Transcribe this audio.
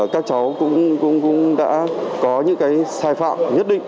các cháu cũng đã có những cái sai phạm nhất định